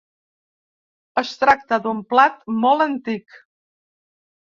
Es tracta d'un plat molt antic.